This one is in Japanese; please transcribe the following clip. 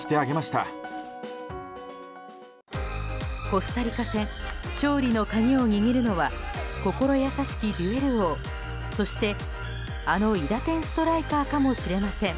コスタリカ戦勝利の鍵を握るのは心優しきデュエル王そして、あの韋駄天ストライカーかもしれません。